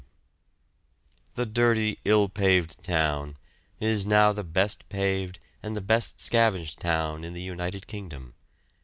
] The dirty ill paved town is now the best paved and the best scavenged town in the United Kingdom.